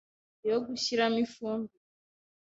yo gushyiramo ifumbire